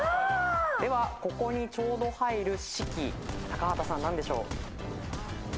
ではここにちょうど入る「シキ」高畑さん何でしょう？